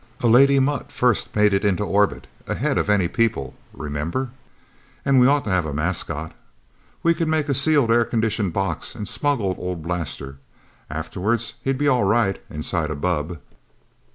A lady mutt first made it into orbit, ahead of any people, remember? And we ought to have a mascot. We could make a sealed air conditioned box and smuggle old Blaster. Afterwards, he'd be all right, inside a bubb."